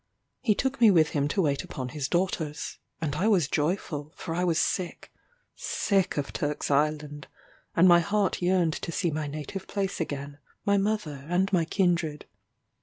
He took me with him to wait upon his daughters; and I was joyful, for I was sick, sick of Turk's Island, and my heart yearned to see my native place again, my mother, and my kindred.